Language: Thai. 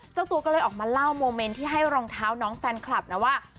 เจ้าตัวก็เลยออกมาเล่าโมเมนต์ที่ให้รองเท้าน้องแฟนคลับนะว่า